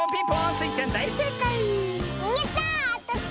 スイちゃんだいせいかい！